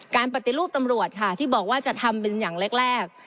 ปฏิรูปตำรวจค่ะที่บอกว่าจะทำเป็นอย่างแรก